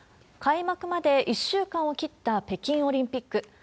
開幕まで１週間を切った北京オリンピック。